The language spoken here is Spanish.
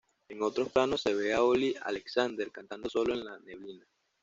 En otros planos se ve a Olly Alexander cantando solo en la neblina.